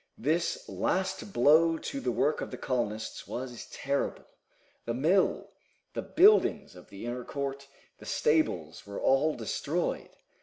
This last blow to the work of the colonists was terrible. The mill, the buildings of the inner court, the stables, were all destroyed.